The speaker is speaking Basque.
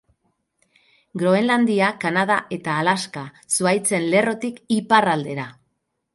Groenlandia, Kanada eta Alaska, zuhaitzen lerrotik iparraldera.